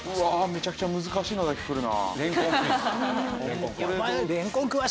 めちゃくちゃ難しいのだけくるな。